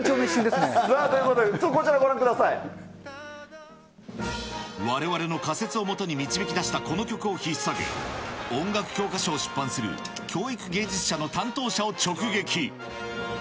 さあ、ということでこちらごわれわれの仮説をもとに、導き出したこの曲を引っ提げ、音楽教科書を出版する教育芸術社の担当者を直撃。